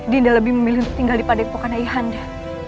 dinda lebih memilih untuk tinggal di padang pohonai handa